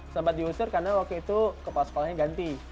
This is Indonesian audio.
sempat diusir karena waktu itu kepala sekolahnya ganti